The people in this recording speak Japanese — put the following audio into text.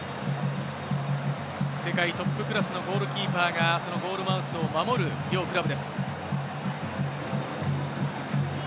世界トップクラスのゴールキーパーがそのゴールマウスを守る両クラブです。